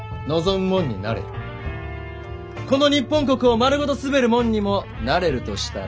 この日本国を丸ごと統べる者にもなれるとしたら？